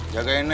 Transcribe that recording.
jaga neng ya